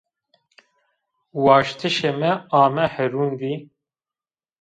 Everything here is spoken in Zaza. Waştişê mi ame hurendî